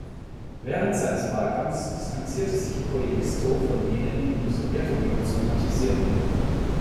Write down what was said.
Während seines Wahlkampfs distanzierte sich Koivisto von jenen, die mit der Sowjetunion sympathisierten.